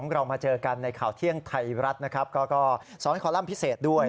เรามาเจอกันในข่าวเที่ยงไทยรัฐนะครับก็สอนคอลัมป์พิเศษด้วย